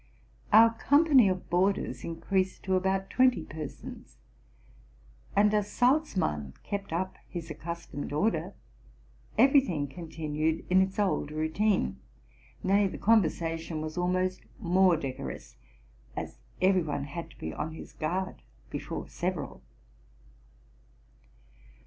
Our company of boarders increased to about twenty persons ; and, as Salzmann kept up his accustomed order, every thing continued in its old routine, — nay, the conversation was almost more decorous, as every one had to be on his guard before several.